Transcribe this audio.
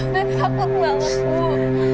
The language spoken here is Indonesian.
nanda takut banget ibu